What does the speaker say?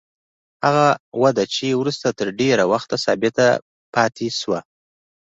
هغه وده چې وروسته تر ډېره وخته ثابته پاتې شوه.